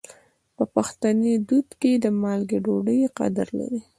په پښتني دود کې د مالګې ډوډۍ قدر لري.